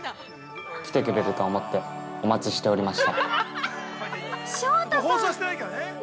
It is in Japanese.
来てくれると思ってお待ちしておりました。